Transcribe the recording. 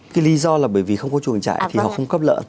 một trăm linh kiếm một ngày còn khó